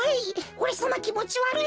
おれさまきもちわるい？